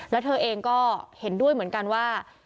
แล้วเธอเองก็เห็นด้วยเหมือนกันว่า